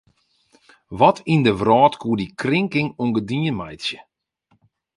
Wat yn de wrâld koe dy krinking ûngedien meitsje?